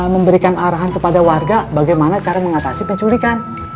memberikan arahan kepada warga bagaimana cara mengatasi penculikan